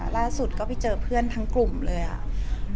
ล่าสุดก็ไปเจอเพื่อนทั้งกลุ่มเลยอ่ะ